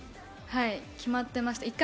はい、決まっていました。